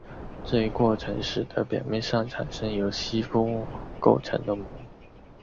这一过程使得表面上产生由吸附物构成的膜。